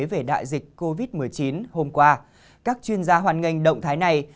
về đại dịch covid một mươi chín hôm qua các chuyên gia hoàn ngành động thái này